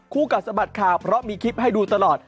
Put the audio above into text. กัดสะบัดข่าวเพราะมีคลิปให้ดูตลอด